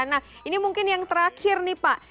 nah ini mungkin yang terakhir nih pak